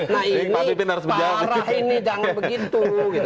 nah ini parah ini jangan begitu